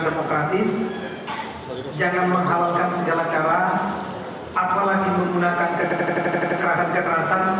demokratis jangan mengharapkan segala cara apalagi menggunakan ketek kerasan ketrasan